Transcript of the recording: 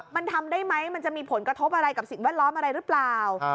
มันทำได้ไหมมันจะมีผลกระทบอะไรกับสิ่งแวดล้อมอะไรหรือเปล่า